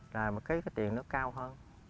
là cái tiền nó cao hơn